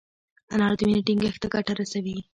انار د وینې ټينګښت ته ګټه رسوي.